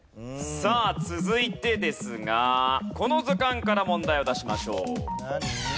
さあ続いてですがこの図鑑から問題を出しましょう。